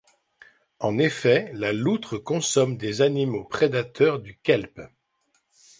En effet, la loutre consomme des animaux prédateurs du kelp.